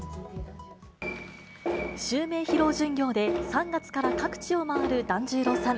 襲名披露巡業で３月から各地を回る團十郎さん。